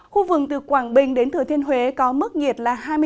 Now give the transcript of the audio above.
khu vực từ quảng bình đến thừa thiên huế có mức nhiệt là hai mươi năm